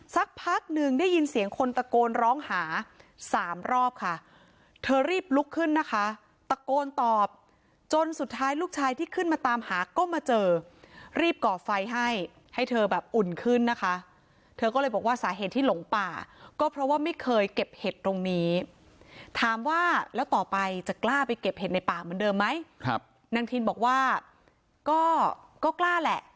สักพักหนึ่งได้ยินเสียงคนตะโกนร้องหาสามรอบค่ะเธอรีบลุกขึ้นนะคะตะโกนตอบจนสุดท้ายลูกชายที่ขึ้นมาตามหาก็มาเจอรีบก่อไฟให้ให้เธอแบบอุ่นขึ้นนะคะเธอก็เลยบอกว่าสาเหตุที่หลงป่าก็เพราะว่าไม่เคยเก็บเห็ดตรงนี้ถามว่าแล้วต่อไปจะกล้าไปเก็บเห็ดในป่าเหมือนเดิมไหมครับนางทินบอกว่าก็ก็กล้าแหละ